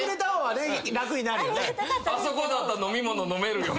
「あそこだったら飲み物飲めるよ」